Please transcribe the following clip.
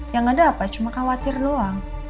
yang ada apa cuma khawatir doang